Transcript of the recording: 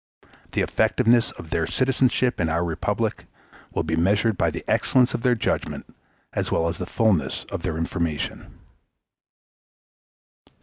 The effectiveness of their citizenship in our republic will be measured by the excellence of their judgment as well as the fullness of their information.